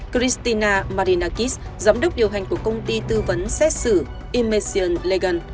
christina marinakis giám đốc điều hành của công ty tư vấn xét xử imeion legan